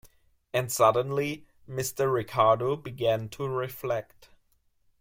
And suddenly, Mr. Ricardo began to reflect.